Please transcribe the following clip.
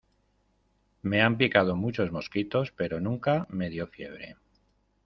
me han picado muchos mosquitos, pero nunca me dio fiebre.